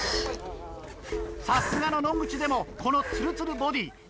さすがの野口でもこのツルツルボディー。